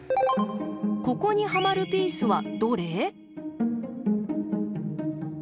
ここにはまるピースはどれ？